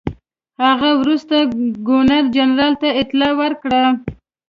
هغه وروسته ګورنرجنرال ته اطلاع ورکړه.